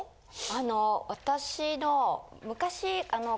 あの私の昔。